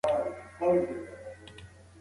آیا تاسو په سیمه ییزو ژبو پوهېږئ؟